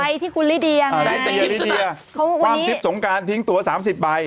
ไปที่คุณลิเดียนนะครับคุณลิเดียความทริปสงการทิ้งตัว๓๐ใบ